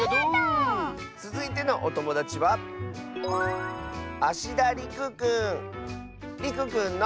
つづいてのおともだちはりくくんの。